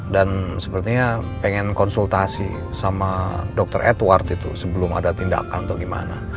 dan sepertinya pengen konsultasi sama dr edward itu sebelum ada tindakan atau gimana